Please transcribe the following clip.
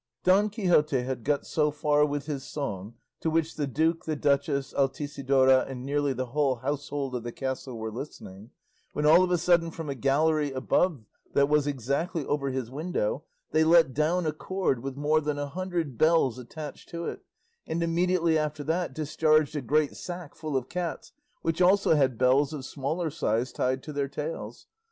Don Quixote had got so far with his song, to which the duke, the duchess, Altisidora, and nearly the whole household of the castle were listening, when all of a sudden from a gallery above that was exactly over his window they let down a cord with more than a hundred bells attached to it, and immediately after that discharged a great sack full of cats, which also had bells of smaller size tied to their tails.